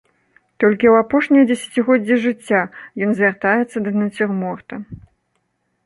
Толькі ў апошняе дзесяцігоддзе жыцця ён звяртаецца да нацюрморта.